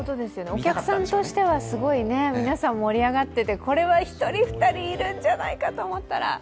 お客さんとしてはすごい皆さん盛り上がっていてこれは１人、２人いるんじゃないかと思ったら。